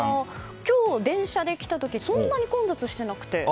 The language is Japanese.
今日、電車で来た時そんなに混雑してなくて。